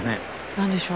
何でしょう？